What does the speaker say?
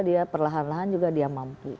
dia perlahan lahan juga dia mampu